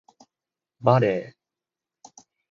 バレー